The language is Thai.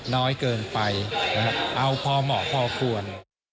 น้อยเกินไปเอาพอเหมาะพอควร